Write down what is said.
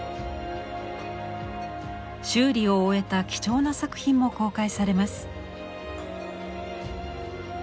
修理を終えた貴重な作品も公開されます。